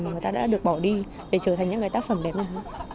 mà người ta đã được bỏ đi để trở thành những cái tác phẩm đẹp này